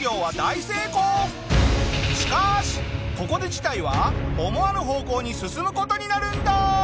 しかしここで事態は思わぬ方向に進む事になるんだ。